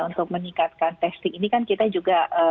untuk meningkatkan testing ini kan kita juga